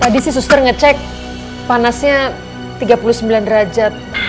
tadi si suster ngecek panasnya tiga puluh sembilan derajat